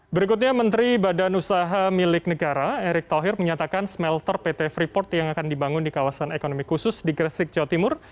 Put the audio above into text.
berikutnya menteri badan usaha milik negara erick thohir menyatakan smelter pt freeport yang akan dibangun di kawasan ekonomi khusus di gresik jawa timur